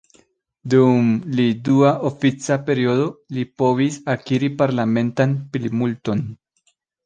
Dum li dua ofica periodo, li povis akiri parlamentan plimulton.